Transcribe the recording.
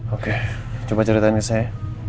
oke coba ceritain ke saya